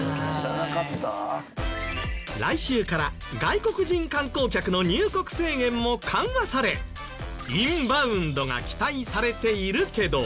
来週から外国人観光客の入国制限も緩和されインバウンドが期待されているけど。